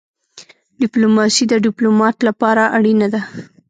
ډيپلوماسي د ډيپلومات لپاره اړینه ده.